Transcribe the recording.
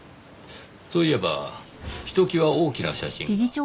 そういえばひときわ大きな写真が。